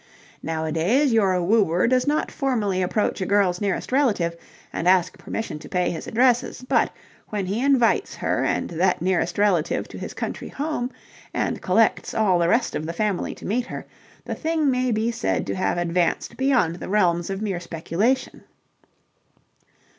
Nowadays your wooer does not formally approach a girl's nearest relative and ask permission to pay his addresses; but, when he invites her and that nearest relative to his country home and collects all the rest of the family to meet her, the thing may be said to have advanced beyond the realms of mere speculation.